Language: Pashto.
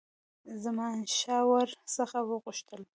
زمانشاه ور څخه وغوښتل.